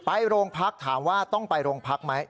ไปโรงพักถามว่าต้องไปโรงพักไหม